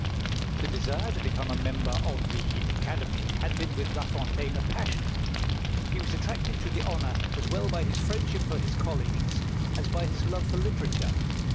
The desire to become a member of the Academy had been with La Fontaine a passion. He was attracted to the honour as well by his friendship for his comrades as by his love for literature.